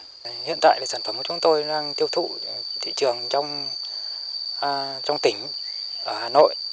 hiện tại sản phẩm của chúng tôi đang tiêu thụ thị trường trong tỉnh ở hà nội